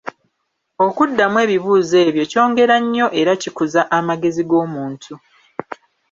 Okuddamu ebibuuzo ebyo kyongera nnyo era kikuza amagezi g'omuntu.